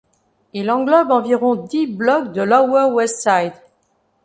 Il englobe environ dix blocs de Lower West Side.